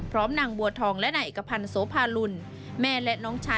นางบัวทองและนายเอกพันธ์โสภาลุลแม่และน้องชาย